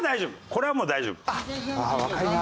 これはもう大丈夫。